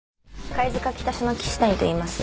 貝塚北署の岸谷といいます。